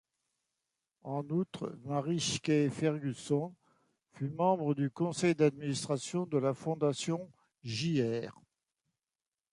En outre, Marijke Ferguson fut membre du conseil d'administration de la Fondation Jr.